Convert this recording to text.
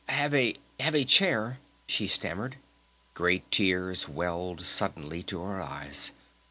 "Have a have a chair," she stammered. Great tears welled suddenly to her eyes.